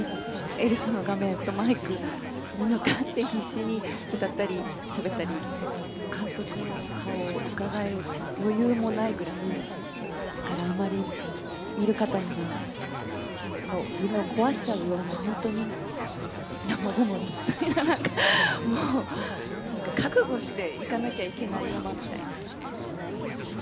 エルサの画面とマイクに向かって必死に歌ったりしゃべったり、監督の顔をうかがう余裕もないくらい、だから、あんまり、見る方の夢を壊しちゃうような、本当に山ごもりみたいな、なんか、もう、なんか覚悟して行かなきゃいけない山みたいな。